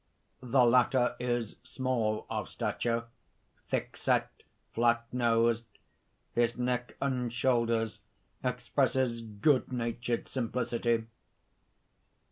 _ _The latter is small of stature, thick set, flat nosed; his neck and shoulders expresses good natured simplicity.